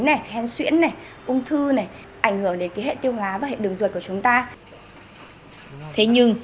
này hen xuyễn này ung thư này ảnh hưởng đến cái hệ tiêu hóa và hệ đường ruột của chúng ta thế nhưng